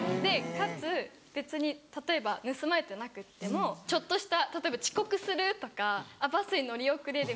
かつ別に例えば盗まれてなくってもちょっとした例えば遅刻するとかバスに乗り遅れるみたいな。